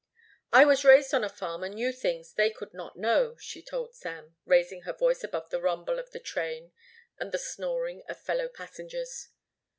"I was raised on a farm and knew things they could not know," she told Sam, raising her voice above the rumble of the train and the snoring of fellow passengers.